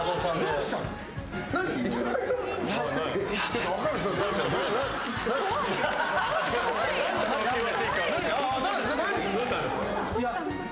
どうした？